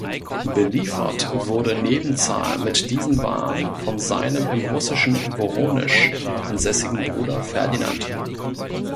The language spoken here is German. Beliefert wurde Nebenzahl mit diesen Waren von seinem im russischen Woronesch ansässigen Bruder Ferdinand.